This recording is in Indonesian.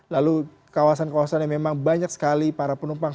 lalu kawasan kawasan yang memang banyak sekali para penumpang